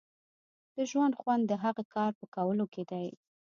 د ژوند خوند د هغه کار په کولو کې دی.